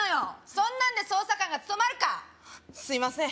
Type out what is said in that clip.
そんなんで捜査官が務まるかすいません